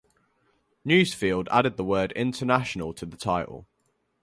Newsfield added the word International to the title.